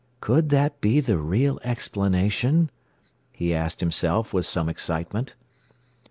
"Could that be the real explanation?" he asked himself with some excitement.